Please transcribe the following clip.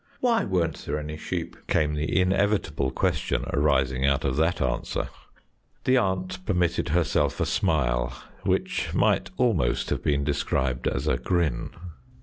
"Why weren't there any sheep?" came the inevitable question arising out of that answer. The aunt permitted herself a smile, which might almost have been described as a grin.